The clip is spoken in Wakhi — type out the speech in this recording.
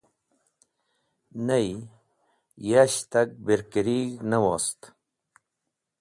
Ney yash tag bẽrkurig̃h ne wost.